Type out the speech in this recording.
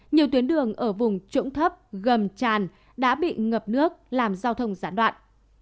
nhiều tuyến đường ở vùng trỗng thấp gầm tràn đã bị ngập nước làm giao thông giãn đoạn